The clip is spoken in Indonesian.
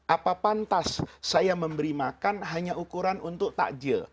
apa pantas saya memberi makan hanya ukuran untuk takjil